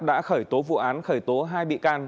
đã khởi tố vụ án khởi tố hai bị can